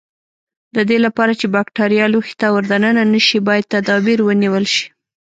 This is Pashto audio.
د دې لپاره چې بکټریا لوښي ته ور دننه نشي باید تدابیر ونیول شي.